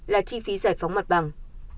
là chi phí giải phóng mặt bằng